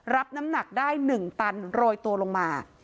รับน้ำหนักได้๑ตันโรยตัวลงมา